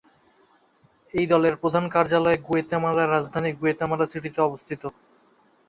এই দলের প্রধান কার্যালয় গুয়াতেমালার রাজধানী গুয়াতেমালা সিটিতে অবস্থিত।